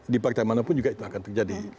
di partai manapun juga itu akan terjadi